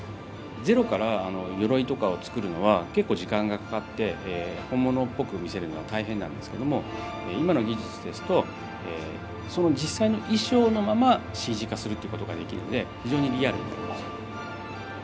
ゼロからよろいとかを作るのは結構時間がかかって本物っぽく見せるのは大変なんですけども今の技術ですとその実際の衣装のままＣＧ化するということができるので非常にリアルになります。